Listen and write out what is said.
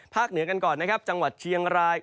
เหนือกันก่อนนะครับจังหวัดเชียงราย